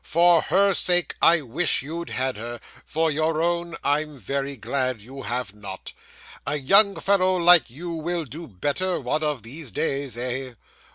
For her sake, I wish you'd had her; for your own, I'm very glad you have not. A young fellow like you will do better one of these days, eh?